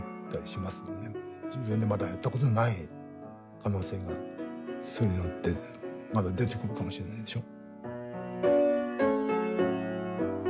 自分でまだやったことのない可能性がそれによってまだ出てくるかもしれないでしょ。